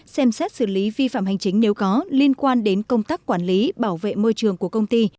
xem xét xử lý vi phạm hành chính nếu có liên quan đến công tác quản lý bảo vệ môi trường của công ty